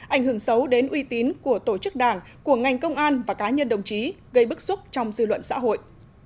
ảnh hưởng xấu đến uy tín của tổ chức đảng của ngành công an và cá nhân đồng chí gây bức xúc trong dư luận xã hội